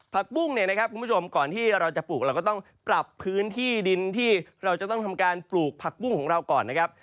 ปุ้งเนี่ยนะครับคุณผู้ชมก่อนที่เราจะปลูกเราก็ต้องปรับพื้นที่ดินที่เราจะต้องทำการปลูกผักปุ้งของเราก่อนนะครับ